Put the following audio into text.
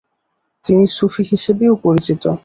তিনি সুফী হিসেবেও পরিচিত।